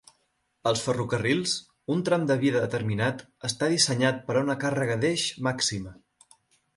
Als ferrocarrils, un tram de via determinat està dissenyat per a una càrrega d'eix màxima.